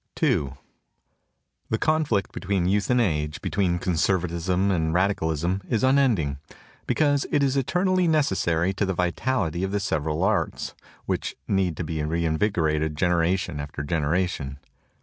II THE conflict between youth and age, between conservatism and radicalism, is unending, be cause it is eternally necessary to the vitality of the several arts, which need to be reinvigorated generation after generation.